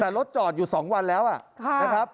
แต่รถจอดอยู่๒วันแล้วนะครับ